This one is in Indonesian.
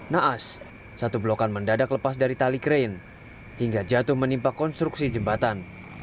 naas satu blokan mendadak lepas dari tali krain hingga jatuh menimpa konstruksi jembatan